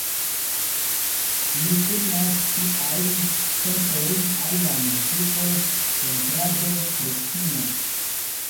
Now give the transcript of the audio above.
Li turnas siajn sentojn al la muziko, pentrado kaj kino.